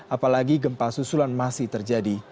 apalagi gempa susulan masih terjadi